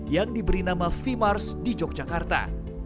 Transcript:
yang diberi nama v mars di yogyakarta